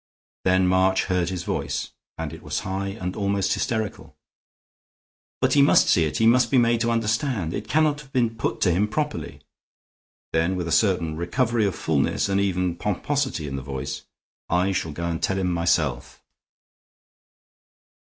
Then March heard his voice, and it was high and almost hysterical: "But he must see it; he must be made to understand. It cannot have been put to him properly." Then, with a certain recovery of fullness and even pomposity in the voice, "I shall go and tell him myself."